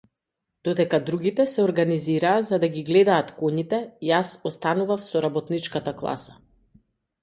Додека другите се организираа за да ги гледаат коњите, јас останував со работничката класа.